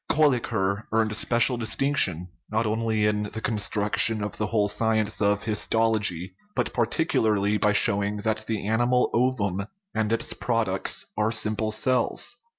Kolliker earned special distinction, not only in the construction of the whole science of histology, but particularly by showing that the ani mal ovum and its products are simple cells.